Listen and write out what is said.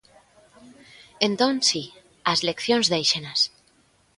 Entón, si, as leccións déixenas.